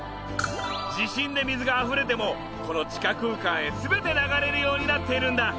地震で水があふれてもこの地下空間へ全て流れるようになっているんだ。